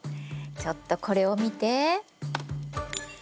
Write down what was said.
ちょっとこれを見て。